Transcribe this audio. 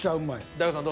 大悟さん